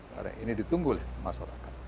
karena ini ditunggu masyarakat